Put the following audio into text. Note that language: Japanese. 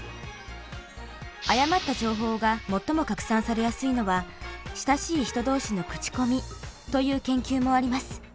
誤った情報が最も拡散されやすいのは親しい人同士の口コミという研究もあります。